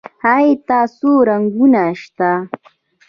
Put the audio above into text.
هغې ته څو رنګونه شته.